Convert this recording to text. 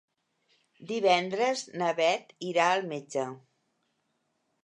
Divendres na Beth irà al metge.